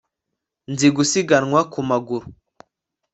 m] [t] nzi gusiganwa ku maguru